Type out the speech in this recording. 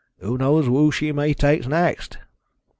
Who knows who she may take next?"